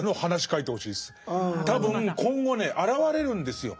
多分今後ね現れるんですよ。